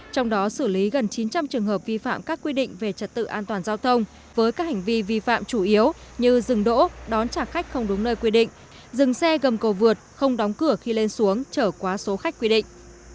trong đó xử lý gần chín trăm linh trường hợp vi phạm các quy định về trật tự an toàn giao thông với các hành vi vi phạm chủ yếu như dừng đỗ đón trả khách không đúng nơi quy định dừng xe gầm cầu vượt không đóng cửa khi lên xuống trở quá số khách quy định